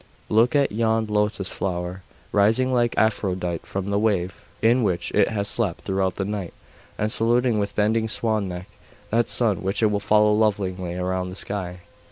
'Look at yon lotus flower, rising like Aphrodite from the wave in which it has slept throughout the night, and saluting, with bending swan neck, that sun which it will follow lovingly around the sky.